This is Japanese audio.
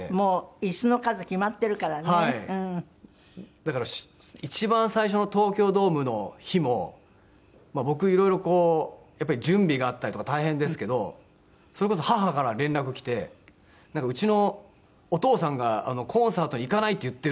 だから一番最初の東京ドームの日も僕いろいろこうやっぱり準備があったりとか大変ですけどそれこそ母から連絡きて「うちのお父さんがコンサート行かないって言ってる」。